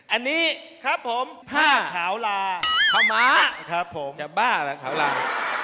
อันนี้ครับผมผ้าขาวลาขาวม้าครับผมจะบ้าเหรอขาวลา